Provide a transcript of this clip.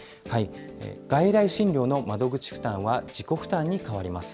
外来診療の窓口負担は自己負担に変わります。